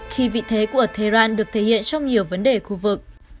khi vị thế của tehran được thể hiện trong nhiều vấn đề khu vực